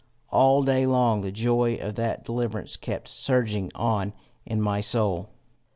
All day long the joy of that deliverance kept surging on in my soul.